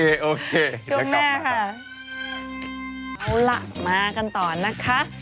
เอาละมากันต่อนะคะ